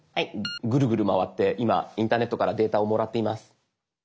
グルグル回って今インターネットからデータをもらっています。